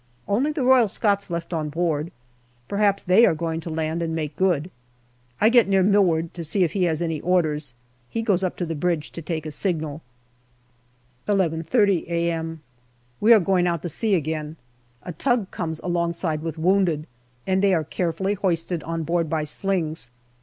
Only the Royal Scots left on board. Perhaps they are going to land and make good. I get near Milward to see if he has any orders. He goes up to the bridge to take a signal. 11.30 a.m. We are going out to sea again. A tug comes alongside with wounded, and they are carefully hoisted on board by slings.